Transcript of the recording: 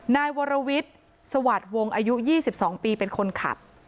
นายวรวิทย์สวัสดิ์วงอายุ๒๒ปีเป็นคนขับ